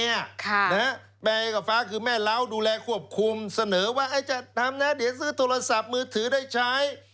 แม่กับฟ้าคือแม่เล้าดูแลควบคุมเสนอว่าจะทำนะเดี๋ยวซื้อโทรศัพท์มือถือได้ใช้